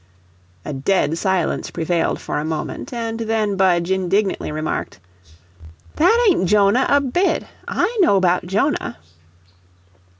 A dead silence prevailed for a moment, and then Budge indignantly remarked: "That ain't Jonah a bit I know 'bout Jonah."